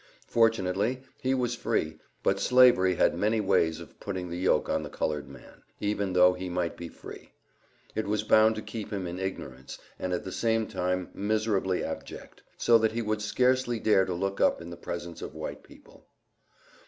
Fortunately, he was free, but slavery had many ways of putting the yoke on the colored man, even though he might be free; it was bound to keep him in ignorance, and at the same time miserably abject, so that he would scarcely dare to look up in the presence of white people.